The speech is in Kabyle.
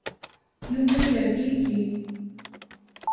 Yuba yergigi.